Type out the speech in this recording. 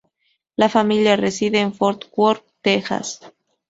La familia reside en Fort Worth, Texas.